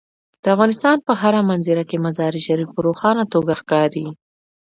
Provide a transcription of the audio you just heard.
د افغانستان په هره منظره کې مزارشریف په روښانه توګه ښکاري.